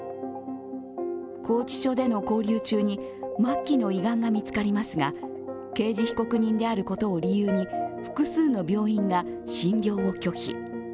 拘置所での勾留中に末期の胃がんが見つかりますが刑事被告人であることを理由に複数の病院が診療を拒否。